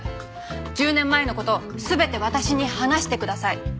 １０年前の事全て私に話してください。